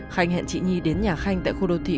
khanh hẹn chị nhi đến nhà khanh tại khu đô thị